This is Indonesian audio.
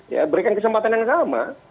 ya berikan kesempatan yang sama